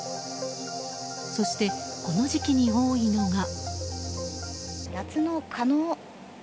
そして、この時期に多いのが。